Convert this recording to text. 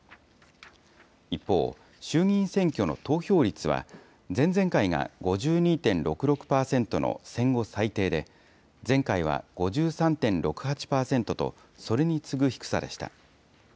一方、衆議院選挙の投票率は、前々回が５２．６６％の戦後最低で、前回は５３．６８％と、それに次ぐ低さでした。